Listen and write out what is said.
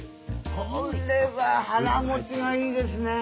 これは腹もちがいいですね。